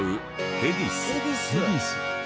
ヘディス。